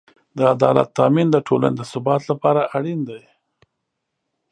د عدالت تأمین د ټولنې د ثبات لپاره اړین دی.